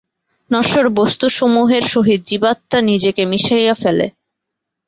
নশ্বর বস্তুসমূহের সহিত জীবাত্মা নিজেকে মিশাইয়া ফেলে।